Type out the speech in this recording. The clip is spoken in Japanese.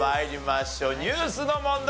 ニュースの問題。